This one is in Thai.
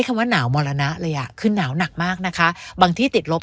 คำว่าหนาวมรณะเลยอ่ะคือหนาวหนักมากนะคะบางที่ติดลบ